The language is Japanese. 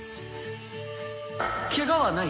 「ケガはない？」。